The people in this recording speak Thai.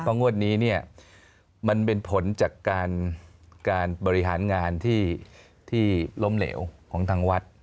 งวดนี้เนี่ยมันเป็นผลจากการบริหารงานที่ล้มเหลวของทางวัด